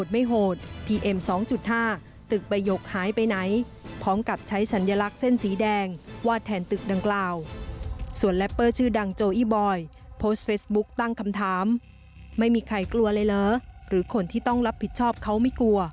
ไม่มีใครกลัวเลยเหรอหรือคนที่ต้องรับผิดชอบเขาไม่กลัว